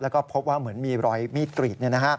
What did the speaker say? แล้วก็พบว่าเหมือนมีรอยมีดกรีด